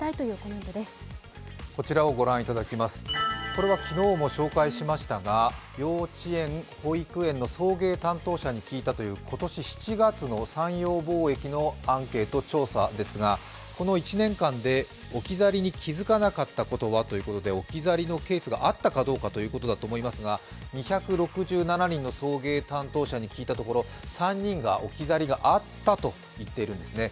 これは昨日も紹介しましたが幼稚園、保育園の送迎担当者に聞いたという今年７月の三洋貿易のアンケート調査ですがこの１年間で置き去りに気づかなかったことはということで置き去りのケースがあったかどうかということだと思いますが２６７人の送迎担当者に聞いたところ３人が置き去りがあったと言っているんですね。